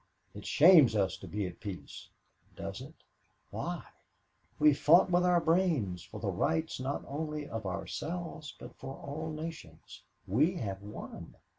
"'It shames us to be at peace.' Does it? Why? We have fought with our brains for the rights not only of ourselves but for all nations. We have won.